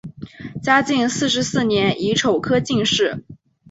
嘉靖四十四年乙丑科进士。